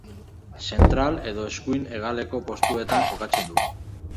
Zentral edo eskuin hegaleko postuetan jokatzen du.